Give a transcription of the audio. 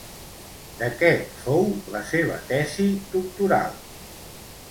De què fou la seva tesi doctoral?